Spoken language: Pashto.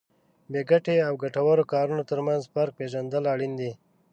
بې ګټې او ګټورو کارونو ترمنځ فرق پېژندل اړین دي.